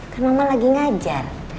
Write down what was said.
kan mama lagi ngajar